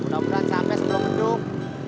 noplat sampe sebelum beduk